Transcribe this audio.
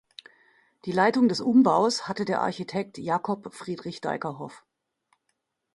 Die Leitung des Umbaus hatte der Architekt Jacob Friedrich Dyckerhoff.